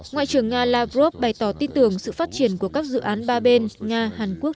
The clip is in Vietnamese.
ngoại trưởng nga lavrov bày tỏ tin tưởng sự phát triển của các dự án ba bên nga hàn quốc